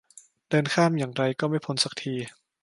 เดินข้ามอย่างไรก็ไม่พ้นสักที